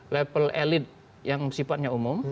level elit yang sifatnya umum